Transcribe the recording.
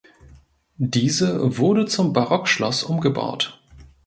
Diese wurde zum Barockschloss umgebaut.